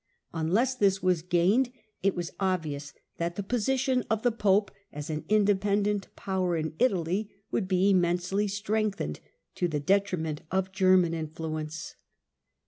Unless this was gained it was obvious that the position of the pope as an independent power in Italy would be immensely strengthened, to the detriment of German influence.